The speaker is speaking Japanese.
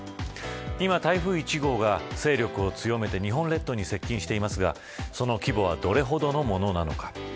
今、台風１号が勢力を強めて日本列島に接近していますがその規模はどれほどのものなのか。